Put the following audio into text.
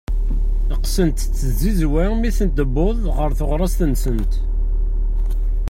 Qqsent-t tzizwa mi tent-yewweḍ ɣer teɣrast-nsent.